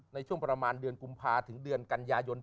ในช่วงประมาณเดือนกุมภาถึงเดือนกันยายน